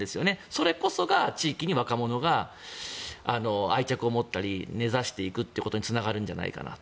それこそが地域に若者が愛着を持ったり根差していくっていうことにつながるんじゃないかなと。